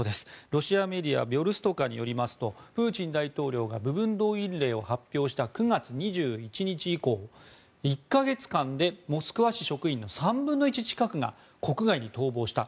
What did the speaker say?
ロシアメディアビョルストカによりますとプーチン大統領が部分動員令を発表した９月２１日以降１か月間でモスクワ市職員の３分の１近くが国外に逃亡した。